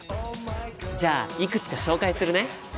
じゃあいくつか紹介するね。